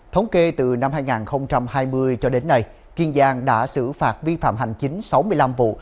thống kê từ năm hai nghìn hai mươi cho đến nay kiên giang đã xử phạt vi phạm hành chính sáu mươi năm vụ